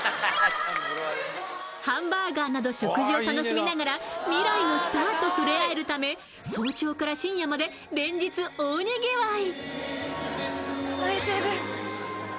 ハンバーガーなど食事を楽しみながら未来のスターと触れあえるため早朝から深夜まで連日、大にぎわい。